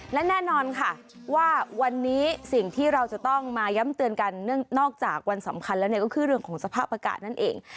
และแน่นอนค่ะว่าวันนี้สิ่งที่เราจะต้องมาย้ำเตือนกันนอกจากวันสำคัญแล้วเนี่ยก็คือเรื่องของสภาพอากาศนั่นเอง